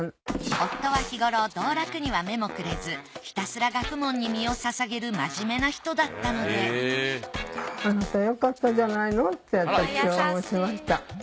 夫は日ごろ道楽には目もくれずひたすら学問に身を捧げる真面目な人だったので私は申しました。